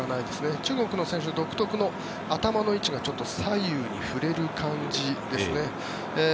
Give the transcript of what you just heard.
中国の選手独特の頭の位置が左右に振れる感じですね。